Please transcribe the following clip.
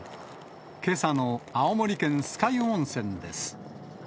けさの青森県酸ヶ湯温泉です。